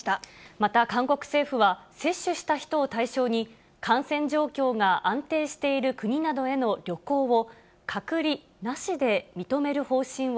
また韓国政府は、接種した人を対象に、感染状況が安定している国などへの旅行を隔離なしで認める方針を